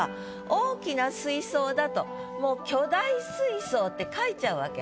大きな水槽だともう「巨大水槽」って書いちゃうわけ。